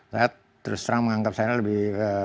saya terus terang menganggap saya lebih